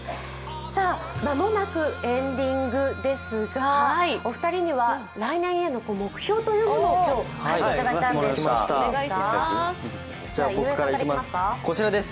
間もなくエンディングですが、お二人には来年への目標というものを書いていただいたんです。